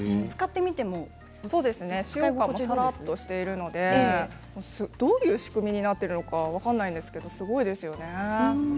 さらさらしているのでどういう仕組みになっているのか分からないんですけどすごいですよね。